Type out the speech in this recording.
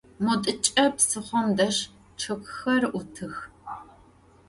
Modıç'e, psıxhom dej, ççıgxer 'utıx.